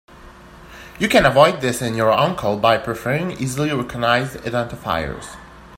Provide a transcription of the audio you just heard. You can avoid this in your own code by preferring easily recognized identifiers.